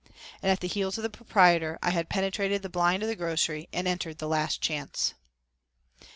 And at the heels of the proprietor I then penetrated the blind of the grocery and entered the Last Chance.